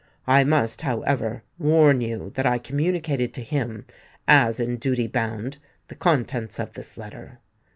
I must, however, warn you that I communicated to him, as in duty bound, the contents of this letter."